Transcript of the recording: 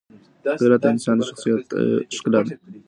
غیرت د انسان د شخصیت ښکلا ده.